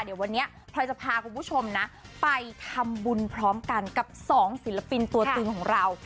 เดี๋ยววันนี้พลอยจะพาคุณผู้ชมนะไปทำบุญพร้อมกันกับสองศิลปินตัวตึงของเรา